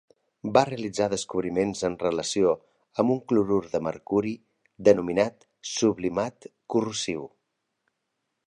Va realitzar descobriments en relació amb un clorur de mercuri denominat sublimat corrosiu.